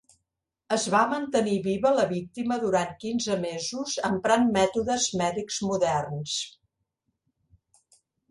Es va mantenir viva la víctima durant quinze mesos emprant mètodes mèdics moderns.